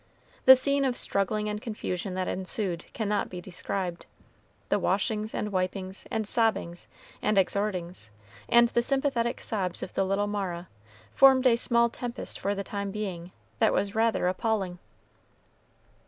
The scene of struggling and confusion that ensued cannot be described. The washings, and wipings, and sobbings, and exhortings, and the sympathetic sobs of the little Mara, formed a small tempest for the time being that was rather appalling.